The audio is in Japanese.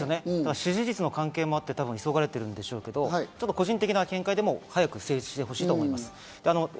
支持率の関係もあって、急がれてるんでしょうけど、個人的な見解でも早く成立してほしいと思います。